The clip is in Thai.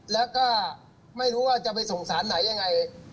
แล้วก็ไม่รู้ว่าจะไปส่งสารไหนยังไง